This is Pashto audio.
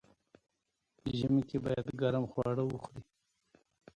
ژمی کی باید ګرم خواړه وخوري.